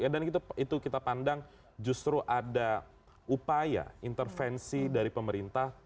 dan itu kita pandang justru ada upaya intervensi dari pemerintah